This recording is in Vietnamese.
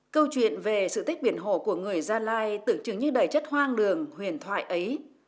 câu chuyện về sự tích biển hồ của người gia lai tưởng chứng như đầy chất hoang đường huyền thoại ấy